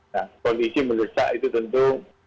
nah kondisi mendesak itu tentu